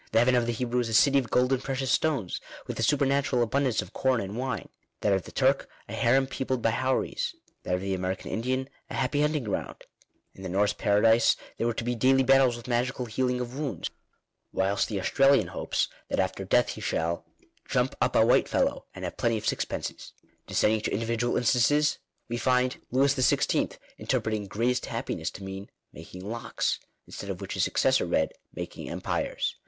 The heaven of the Hebrew is " a city of gold and precious stones, with a supernatural abundance of corn and wine;" that of the Turk — a harem peopled by houris; that of the American Indian — a " happy hunting ground ;" in the Norse paradise there were to be daily battles with magical healing of wounds; whilst the Australian hopes that after death he shall "jump up a white fellow, and have plenty of sixpences." Descending to individual instances, we find Louis XVI. interpreting "greatest happiness" to mean — making locks ; instead of which his successor read — making empires.